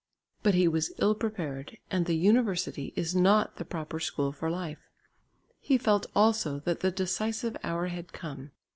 But he was ill prepared and the university is not the proper school for life. He felt also that the decisive hour had come.